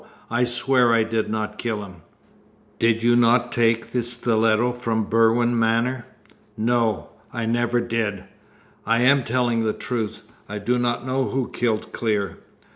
I swear I did not kill him!" "Did you not take that stiletto from Berwin Manor?" "No! I never did! I am telling the truth! I do not know who killed Clear."